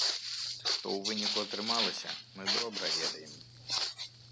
Што ў выніку атрымалася, мы добра ведаем.